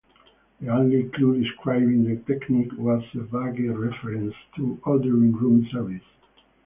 The only clue describing the technique was a vague reference to "ordering room service".